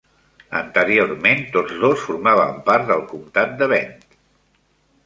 Anteriorment, tots dos formaven part del comtat de Bent.